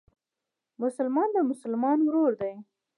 مسلمان د مسلمان ورور دئ.